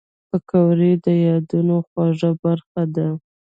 پکورې د یادونو خواږه برخه ده